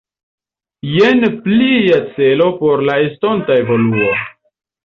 Jen plia celo por la estonta evoluo!